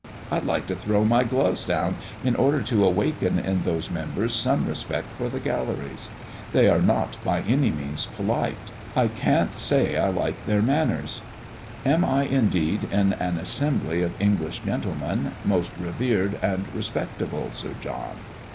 I'd like to throw my gloves down in order to awaken in those members some respect for the galleries. They are not by any means polite. I can't say I like their manners. Am I indeed in an assembly of English gentlemen, most revered and respectable Sir John?"